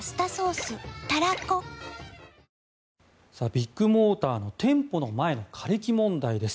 ビッグモーターの店舗の前の枯れ木問題です。